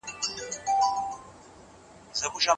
ایا تاسو په اقتصاد پوهیږئ؟